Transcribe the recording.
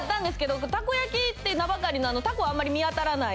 たこ焼きって名ばかりのたこはあんまり見当たらない。